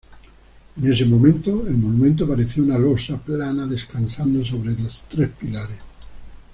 En ese momento, el monumento parecía una losa plana descansando sobre tres pilares.